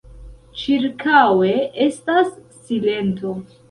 Ĉirkaŭe estas silento.